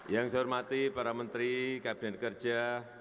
yang saya hormati para menteri kabinet kerja